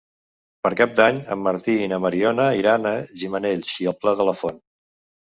Per Cap d'Any en Martí i na Mariona iran a Gimenells i el Pla de la Font.